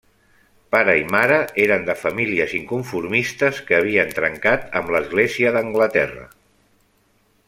Pare i mare eren de famílies inconformistes que havien trencat amb l'Església d'Anglaterra.